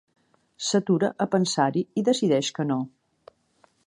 S'atura a pensar-hi i decideix que no.